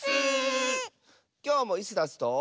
きょうもイスダスと。